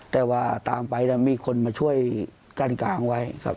แต่ว่าตามไปแล้วมีคนมาช่วยกันกลางไว้ครับ